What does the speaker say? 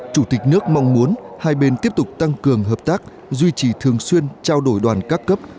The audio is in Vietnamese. chủ tịch nước mong muốn hai bên tiếp tục tăng cường hợp tác duy trì thường xuyên trao đổi đoàn các cấp